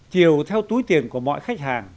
chiều theo túi tiền của mọi khách hàng